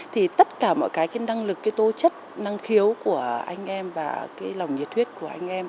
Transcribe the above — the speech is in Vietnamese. thì tất cả mọi cái năng lực cái tố chất năng khiếu của anh em và cái lòng nhiệt huyết của anh em